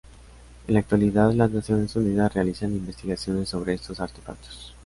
En la actualidad las Naciones Unidas realizan investigaciones sobre estos artefactos.